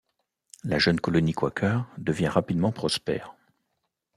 La jeune colonie quaker devient rapidement prospère.